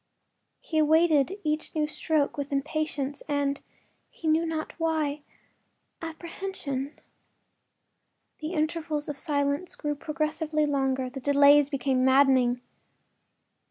He awaited each new stroke with impatience and—he knew not why—apprehension. The intervals of silence grew progressively longer; the delays became maddening.